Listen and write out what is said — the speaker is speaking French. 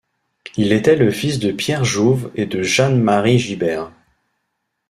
Il était le fils de Pierre Jouve et de Jeanne-Marie Gibert.